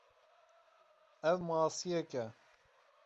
Ev masiyek e.